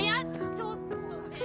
ちょっとねえ